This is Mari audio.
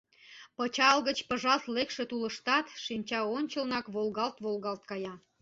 Пычал гыч пыжалт лекше тулыштат шинчаончылнак волгалт-волгалт кая.